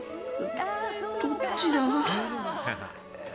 どっちだ？